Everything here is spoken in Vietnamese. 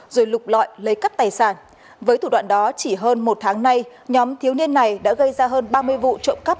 rồi lục lọi lấy cắp tài sản với thủ đoạn đó chỉ hơn một tháng nay nhóm thiếu niên này đã gây ra hơn ba mươi vụ trộm cắp